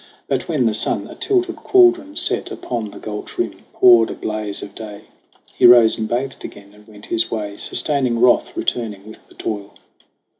But when the sun, a tilted cauldron set Upon the gulch rim, poured a blaze of day, He rose and bathed again, and went his way, Sustaining wrath returning with the toil.